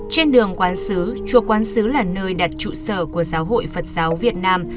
trên đường quán xứ chùa quán sứ là nơi đặt trụ sở của giáo hội phật giáo việt nam